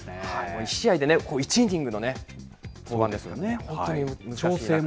１試合で１イニングの登板ですから、本当に。